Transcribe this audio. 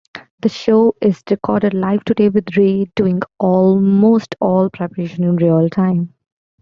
The show is recorded live-to-tape, with Ray doing almost all preparation in real time.